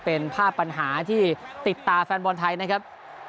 เป็นภาพปัญหาที่ติดตาแฟนบอลไทยนะครับ